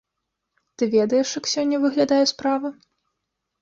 Ты ведаеш, як сёння выглядае справа?